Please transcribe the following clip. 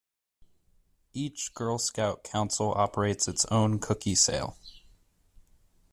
Each Girl Scout council operates its own cookie sale.